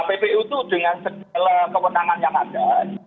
kppu itu dengan segala kewenangan yang ada